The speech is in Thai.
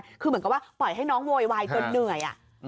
คือเหมือนกับว่าปล่อยให้น้องโวยวายจนเหนื่อย